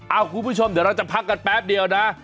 คุณผู้ชมเดี๋ยวเราจะพักกันแป๊บเดียวนะ